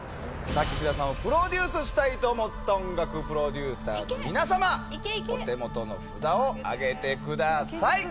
さあ岸田さんをプロデュースしたいと思った音楽プロデューサーの皆様お手元の札を上げてください！